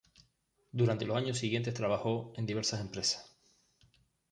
Durante los años siguientes trabajó en diversas empresas.